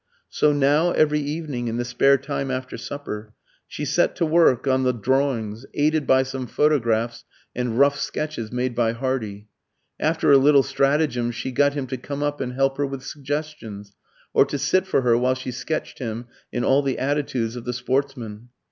So now, every evening, in the spare time after supper, she set to work on the drawings, aided by some photographs and rough sketches made by Hardy. After a little stratagem she got him to come up and help her with suggestions, or to sit for her while she sketched him in all the attitudes of the sportsman.